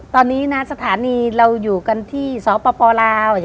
ตอนนี้สถานีเราอยู่กันที่ที่สตปล